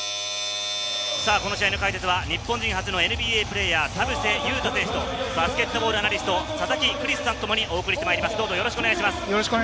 この試合の解説は、日本人初のＮＢＡプレーヤー、田臥勇太選手とバスケットアナリスト、佐々木クリスさんとともにお送りしてまいります。